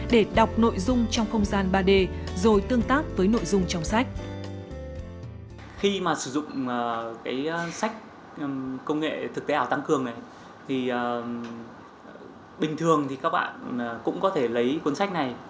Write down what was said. để đọc nội dung trong không gian ba d rồi tương tác với nội dung trong sách